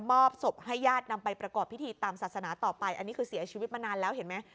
อบศพให้ญาตินำไปประกอบพิธีตามศาสนาต่อไปอันนี้คือเสียชีวิตมานานแล้วเห็นไหม